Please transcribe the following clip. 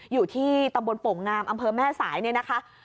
อยู่ที่ตำบลโป่งงามอำเภอแม่สายเนี่ยนะคะ